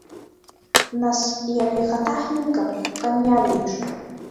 Нас, иара ихаҭа ҳилгап, Кониар иеиԥш.